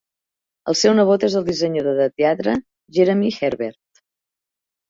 El seu nebot és el dissenyador de teatre Jeremy Herbert.